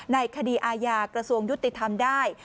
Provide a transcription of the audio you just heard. ในคดีอาญากระทรวงยุติธรรมได้